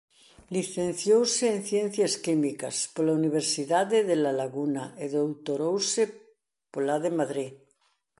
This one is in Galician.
Licenciouse en Ciencias Químicas pola Universidade de La Laguna e doutorouse pola de Madrid.